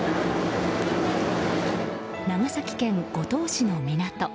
長崎県五島市の港。